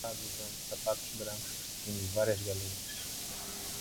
um rapaz usando sapatos brancos perseguindo várias galinhas